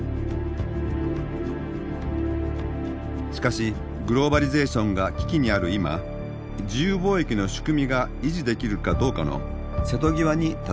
しかしグローバリゼーションが危機にある今自由貿易の仕組みが維持できるかどうかの瀬戸際に立たされています。